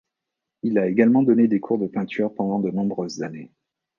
Il a également donné des cours de peinture pendant de nombreuses années.